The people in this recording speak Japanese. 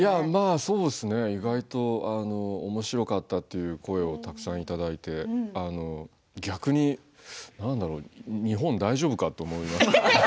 そうですね、意外とおもしろかったっていう声をたくさんいただいて、逆に日本、大丈夫か？と思いますよね。